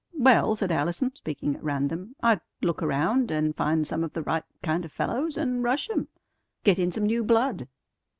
"Well," said Allison, speaking at random, "I'd look around, and find some of the right kind of fellows, and rush 'em. Get in some new blood."